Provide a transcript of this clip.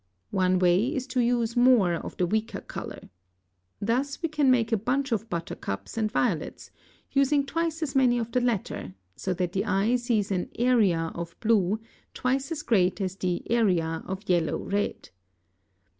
One way is to use more of the weaker color. Thus we can make a bunch of buttercups and violets, using twice as many of the latter, so that the eye sees an area of blue twice as great as the area of yellow red.